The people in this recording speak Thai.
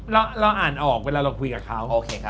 เราอ่านออกเวลาเราคุยกับเขา